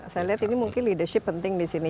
saya lihat ini mungkin leadership penting di sini